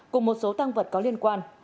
cùng một số tăng vật có liên quan